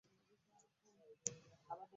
Abazannyi batendekebwa awatali bukwakkulizo.